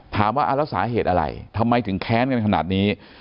ถามว่าแล้วสาเหตุอะไรทำไมถึงแค้นกันขนาดนี้